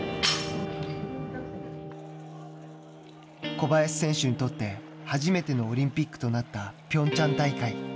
小林選手にとって初めてのオリンピックとなったピョンチャン大会。